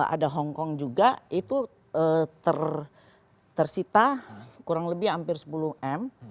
ada hongkong juga itu tersita kurang lebih hampir sepuluh m